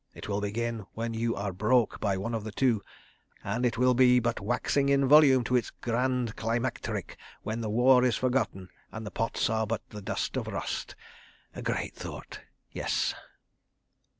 It will begin when you are broke by one of the two—and it will be but waxing in volume to its grand climacteric when the war is forgotten, and the pots are but the dust of rust. ... A great thought. .. Yes.